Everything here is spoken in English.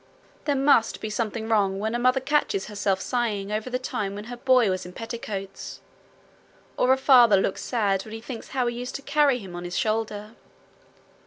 There must be something wrong when a mother catches herself sighing over the time when her boy was in petticoats, or a father looks sad when he thinks how he used to carry him on his shoulder.